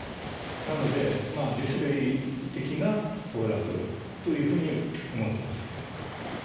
なので地滑り的な崩落というふうに思ってますけど。